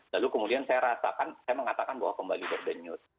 lalu kemudian saya rasakan saya mengatakan bahwa kembali berdenyut